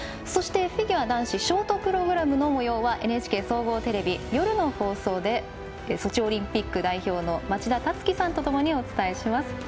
そして、フィギュア男子ショートプログラムのもようはＮＨＫ総合テレビ夜の放送でソチオリンピック代表の町田樹さんとともにお伝えします。